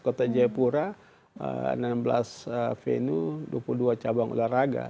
kota jayapura enam belas venue dua puluh dua cabang olahraga